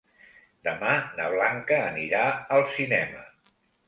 Demà na Blanca anirà al cinema.